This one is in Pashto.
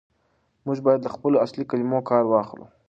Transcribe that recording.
موږ بايد له خپلو اصلي کلمو کار واخلو.